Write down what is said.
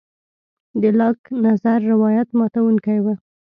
د لاک نظر روایت ماتوونکی و.